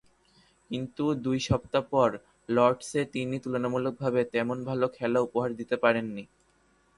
কিন্তু, দুই সপ্তাহ পর লর্ডসে তিনি তুলনামূলকভাবে তেমন ভালো খেলা উপহার দিতে পারেননি।